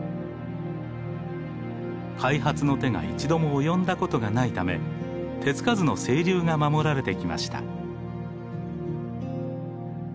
開発の手が一度も及んだことがないため手付かずの清流が守られてきました。